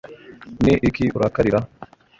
ni iki urakarira